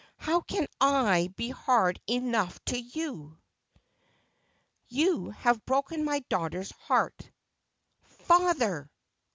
' How can I be hard enough to you ? You have broken my daughter's heart.' ' Father